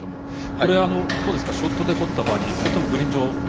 これはショットでとったバーディーかそれともグリーン上か。